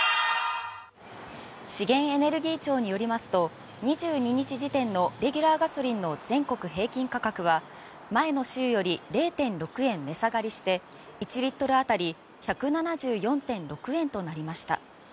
資源エネルギー庁によりますと２２日時点でのレギュラーガソリンの全国平均価格は前の週より０．６円値下がりして１リットル当たり１７４．６円となりました。